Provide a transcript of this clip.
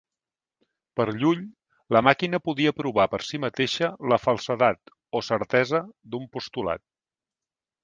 Per Llull, la màquina podia provar per si mateixa la falsedat o certesa d'un postulat.